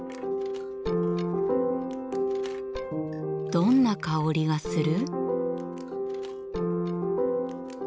どんな香りがする？